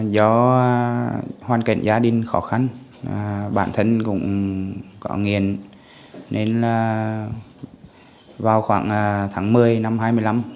do hoàn cảnh gia đình khó khăn bản thân cũng có nghiện nên là vào khoảng tháng một mươi năm hai nghìn một mươi năm